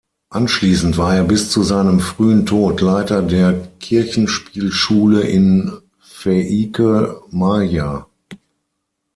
Anschließend war er bis zu seinem frühen Tod Leiter der Kirchspielschule in Väike-Maarja.